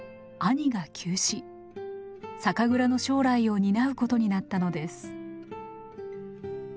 酒蔵の将来を担うことになったのです。